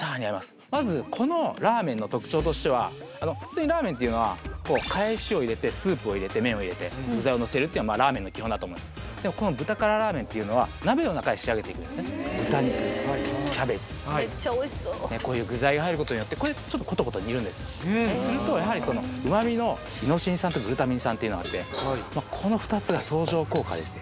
まずこのラーメンの特徴としては普通にラーメンっていうのは返しを入れてスープを入れて麺を入れて具材をのせるってラーメンの基本だと思うんですでも豚肉キャベツめっちゃおいしそうこういう具材が入ることによってこれちょっとするとやはりその旨みのイノシン酸とグルタミン酸っていうのがあってこの２つが相乗効果ですね